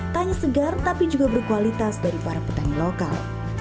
tak hanya segar tapi juga berkualitas dari para petani lokal